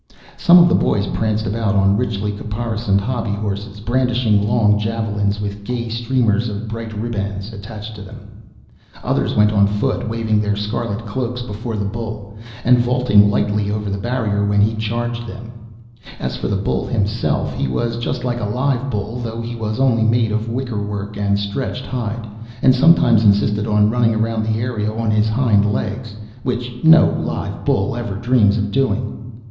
Some of the boys pranced about on richly caparisoned hobby horses brandishing long javelins with gay streamers of bright ribands attached to them; others went on foot waving their scarlet cloaks before the bull, and vaulting lightly over the barrier when he charged them; and as for the bull himself, he was just like a live bull, though he was only made of wicker work and stretched hide, and sometimes insisted on running round the arena on his hind legs, which no live bull ever dreams of doing.